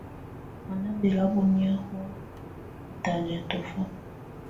Á́ ná bɛlabɔ́nyá hɔ̀á ú talɛ̀á tɔ́fà.